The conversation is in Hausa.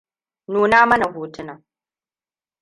Nuna mana hotunan.